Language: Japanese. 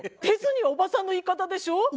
「デズニー」はおばさんの言い方でしょ？